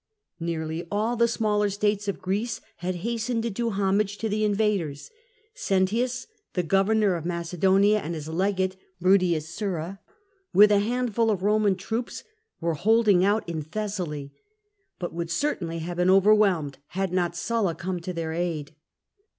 Nearly all the smaller states of Greece had hastened to do homage to the invaders. Sentius, the governor of Macedonia, and his legate, Bruttius Sura, with a handful of Eoman troops, were holding out in Thessaly, but would certainly have been overwhelmed had not Sulla come to their aid.